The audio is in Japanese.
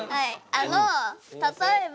あの例えば。